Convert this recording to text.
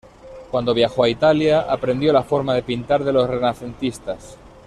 Cuando viajó a Italia, aprendió la forma de pintar de los renacentistas.